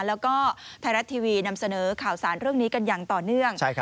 แล้วก็ไทยรัฐทีวีนำเสนอข่าวสารเรื่องนี้กันอย่างต่อเนื่อง